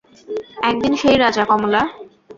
একদিন সেই রাজা– কমলা।